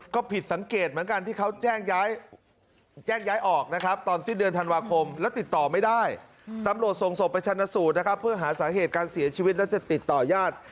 ก็ผิดสังเกตเหมือนกันที่เขาแจ้งย้าย